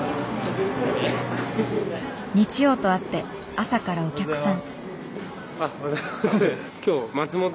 日曜とあって朝からお客さん。